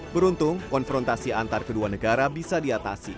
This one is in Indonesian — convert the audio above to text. beruntung konfrontasi antar kedua negara bisa diatasi